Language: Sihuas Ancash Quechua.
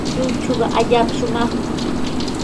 Lluychuqa allaapa shumaqmi.